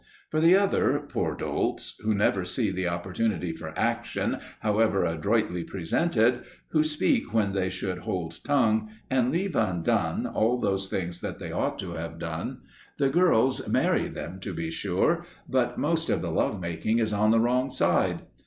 For the other, poor dolts, who never see the opportunity for action, however adroitly presented, who speak when they should hold tongue and leave undone all those things that they ought to have done the girls marry them, to be sure, but most of the love making is on the wrong side.